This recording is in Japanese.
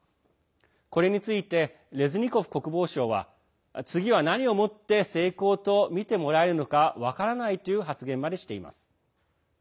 これについてレズニコフ国防相は次は何をもって成功と見てもらえるのか分からないという発言までしています。